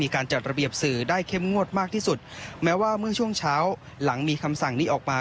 เข้มงวดมากที่สุดแม้ว่าเมื่อช่วงเช้าหลังมีคำสั่งนี้ออกมา